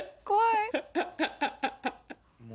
怖い。